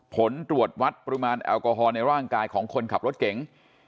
ผลตรวจวัดปริมาณแอลกอฮอลในร่างกายของคนขับรถเก๋ง